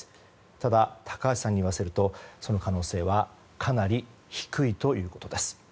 ただ、高橋さんに言わせるとその可能性はかなり低いということです。